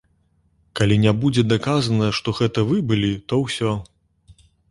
Калі не будзе даказана, што гэта вы былі, то ўсё.